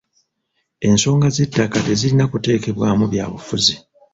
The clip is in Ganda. Ensonga z'ettaka tezirina kuteekebwamu byabufuzi.